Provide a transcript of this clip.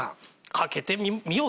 懸けてみよう。